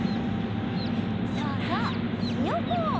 そうそうひよこ！